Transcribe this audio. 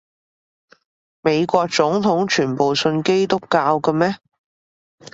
美國總統全部信基督教嘅咩？